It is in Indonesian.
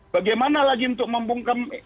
bagaimana lagi untuk membungkam